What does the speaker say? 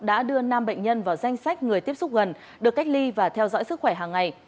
đã đưa năm bệnh nhân vào danh sách người tiếp xúc gần được cách ly và theo dõi sức khỏe hàng ngày